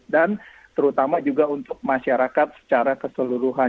dan terutama juga untuk masyarakat secara keseluruhan